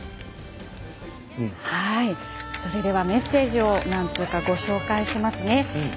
それでは、メッセージを何通かご紹介します。